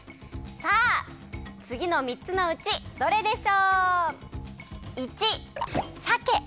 さあつぎのみっつのうちどれでしょう？